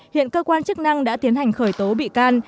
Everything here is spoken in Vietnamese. hiện cơ quan chức năng đã tiến hành khởi tố bị can